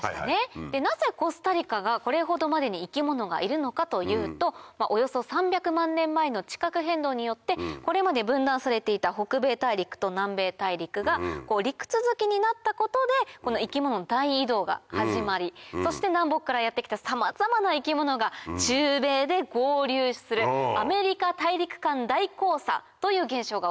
なぜコスタリカがこれほどまでに生き物がいるのかというとおよそ３００万年前の地殻変動によってこれまで分断されていた北米大陸と南米大陸が陸続きになったことで生き物の大移動が始まりそして南北からやって来たさまざまな生き物が中米で合流する「アメリカ大陸間大交差」という現象が起こったから。